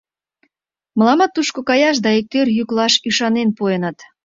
Мыламат тушко каяш да иктӧр йӱклаш ӱшанен пуэныт.